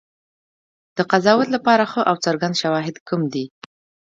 د قضاوت لپاره ښه او څرګند شواهد کم دي.